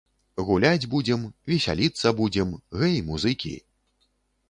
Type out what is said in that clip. Гуляць будзем, весяліцца будзем, гэй, музыкі.